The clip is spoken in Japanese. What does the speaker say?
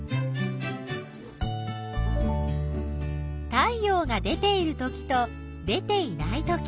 太陽が出ているときと出ていないとき。